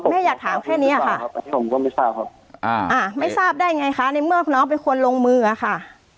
แม่อยากถามแค่เนี้ยค่ะอ่าไม่ทราบได้ไงค่ะในเมื่อน้องเป็นคนลงมือค่ะ